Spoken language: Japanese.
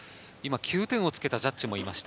９点をつけたジャッジもいました。